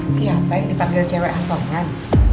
siapa yang ditanggil cewek asongan